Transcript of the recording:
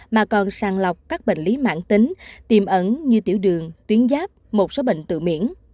mà còn sàng lọc các bệnh lý mạng tính tiềm ẩn như tiểu đường tuyến giáp một số bệnh tự miễn